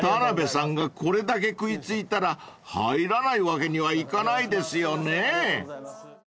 ［田辺さんがこれだけ食い付いたら入らないわけにはいかないですよね］